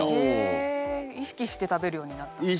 へえ意識して食べるようになったんですか？